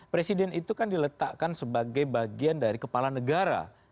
presiden itu kan diletakkan sebagai bagian dari kepala negara